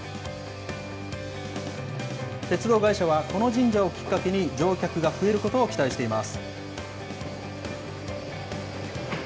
鉄道会社は、この神社をきっかけに、乗客が増えることを期待しています。